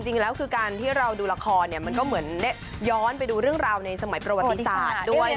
จริงแล้วคือการที่เราดูละครมันก็เหมือนได้ย้อนไปดูเรื่องราวในสมัยประวัติศาสตร์ด้วย